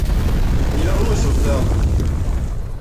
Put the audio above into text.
Не вярнуся ў тэатр!